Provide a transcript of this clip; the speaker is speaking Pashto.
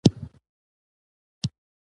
متن په ژبه کې زېږي.